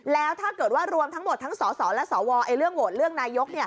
แล้วถ้าเกิดว่ารวมทั้งหมดทั้งสสและสวเรื่องโหวตเลือกนายก